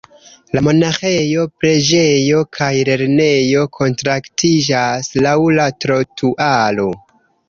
La monaĥejo, preĝejo kaj lernejo kontaktiĝas laŭ la trotuaro.